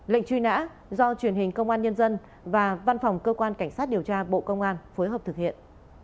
lệnh truy nã do truyền hình công an nhân dân và văn phòng cơ quan cảnh sát điều tra bộ công an phối hợp thực hiện